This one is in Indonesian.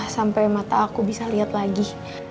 sampai mata aku bisa lihat lagi